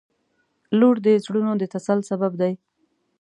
• لور د زړونو د تسل سبب دی.